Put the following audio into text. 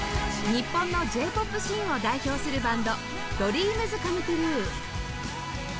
日本の Ｊ ー ＰＯＰ シーンを代表するバンド ＤＲＥＡＭＳＣＯＭＥＴＲＵＥ